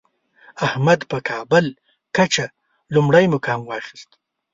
احمد په کابل کچه لومړی مقام واخیست.